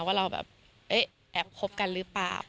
ว่าเราแบบแอบคบกันหรือเปล่า